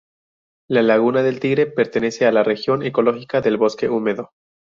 La Laguna del Tigre pertenece al la región ecológica del bosque húmedo.